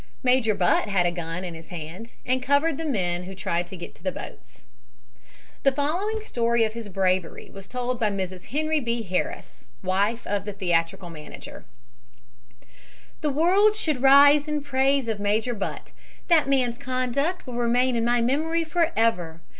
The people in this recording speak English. Major Butt had a gun in his hand and covered the men who tried to get to the boats. The following story of his bravery was told by Mrs. Henry B. Harris, wife of the theatrical manager: "The world should rise in praise of Major Butt. That man's conduct will remain in my memory forever.